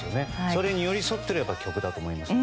それに寄り添った曲だと思います。